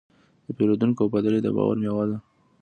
د پیرودونکي وفاداري د باور میوه ده.